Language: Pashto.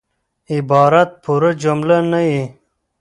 عبارت پوره جمله نه يي.